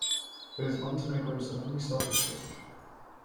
It is Montenegro's only stock exchange.